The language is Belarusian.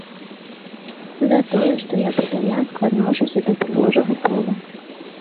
За тое, што я па-італьянску адношуся да прыгожага полу.